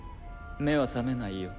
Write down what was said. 目は覚めないよ